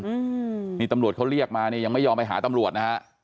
อืมนี่ตำรวจเขาเรียกมาเนี่ยยังไม่ยอมไปหาตำรวจนะฮะ